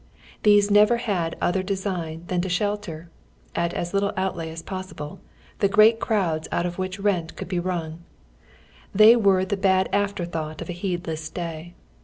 These never liad other design than to shelter, at as little outlay as possible, the greatest crowds out of which i ent could be \rrung. They were the bad after thought of a heedless day.